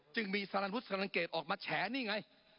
จึงมีสรรพุทธสรรเกตออกมาแฉนี่ไง